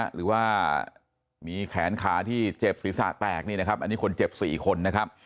หรือว่ามีแขนขาที่เจ็บศิษย์ศากแตกอันนี้คือคนเจ็บ๔คน